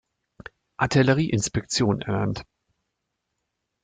Artillerie-Inspektion ernannt.